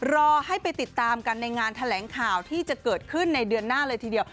รอให้ไปติดตามกันในงานแถลงข่าวที่จะเกิดขึ้นในเดือนหน้าเลยทีเดียว